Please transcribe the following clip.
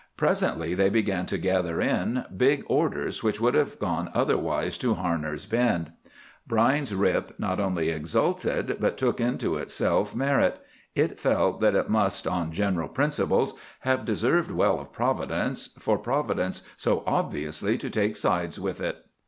Presently they began to gather in big orders which would have gone otherwise to Harner's Bend. Brine's Rip not only exulted, but took into itself merit. It felt that it must, on general principles, have deserved well of Providence, for Providence so obviously to take sides with it.